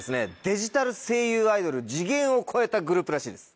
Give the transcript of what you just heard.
デジタル声優アイドル次元を超えたグループらしいです。